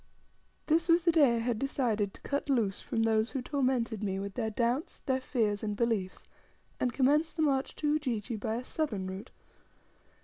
This was the day I had decided to cut loose from those who tormented me with their doubts, their fears, and beliefs, and commence the march to Ujiji by a southern route.